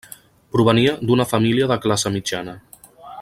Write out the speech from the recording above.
Provenia d'una família de classe mitjana.